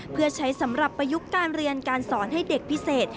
เพื่อใช้สำหรับประยุกต์การเรียนการสอนให้เด็กพิเศษ